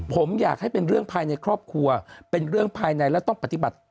ผมอยากให้เป็นเรื่องภายในครอบครัวเป็นเรื่องภายในและต้องปฏิบัติ